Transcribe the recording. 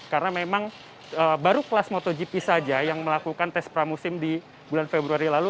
karena memang baru kelas motogp saja yang melakukan tes pramusim di bulan februari lalu